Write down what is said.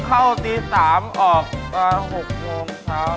เข้าตี๓ออก๖โมงเช้า